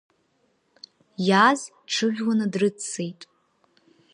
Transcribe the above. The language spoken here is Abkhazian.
Иааз дҽыжәланы дрыццеит.